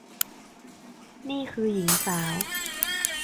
นี่คือหญิงสาว